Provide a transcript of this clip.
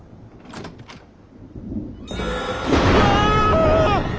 ・・うわ！